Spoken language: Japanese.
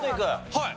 はい。